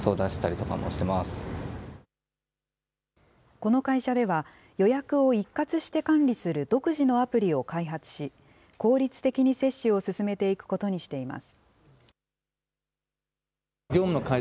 この会社では、予約を一括して管理する独自のアプリを開発し、効率的に接種を進めていくことにしています。